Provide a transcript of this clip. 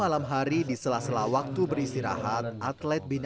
asalkan di sela sela waktu beristirahat